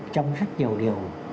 trong rất nhiều điều